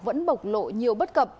vẫn bộc lộ nhiều bất cập